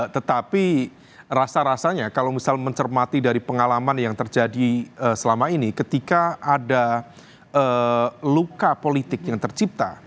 tetapi rasa rasanya kalau misal mencermati dari pengalaman yang terjadi selama ini ketika ada luka politik yang tercipta